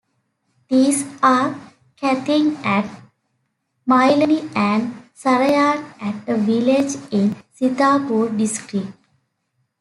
These are Kathina at Mailani and Sarayan at a village in Sitapur district.